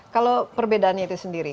kalau perbedaannya itu sendiri